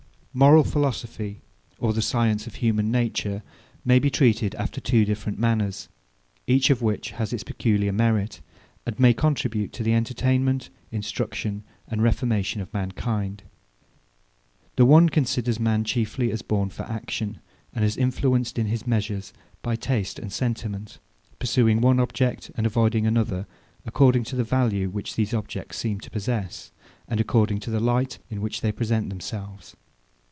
Moral philosophy, or the science of human nature, may be treated after two different manners; each of which has its peculiar merit, and may contribute to the entertainment, instruction, and reformation of mankind. The one considers man chiefly as born for action; and as influenced in his measures by taste and sentiment; pursuing one object, and avoiding another, according to the value which these objects seem to possess, and according to the light in which they present themselves.